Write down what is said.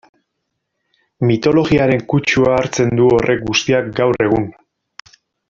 Mitologiaren kutsua hartzen du horrek guztiak gaur egun...